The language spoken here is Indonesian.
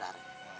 wah cukup bohong